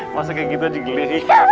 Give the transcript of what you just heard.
masa kayak gitu digilirin